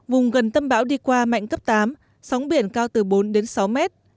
vùng gần tâm bão đi qua mạnh cấp tám sóng biển cao từ bốn đến sáu mét